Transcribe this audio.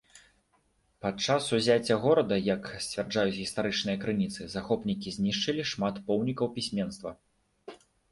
Падчас узяцця горада, як сцвярджаюць гістарычныя крыніцы, захопнікі знішчылі шмат помнікаў пісьменства.